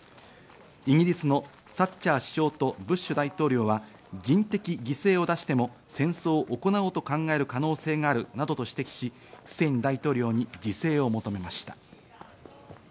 イギリスのサッチャー首相とブッシュ大統領は人的犠牲を出しても戦争を行おうと考える可能性があるなどと指摘し、フセイン大統領に自制を求めました。